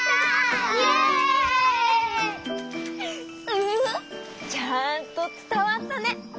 ウフフ！ちゃんとつたわったね！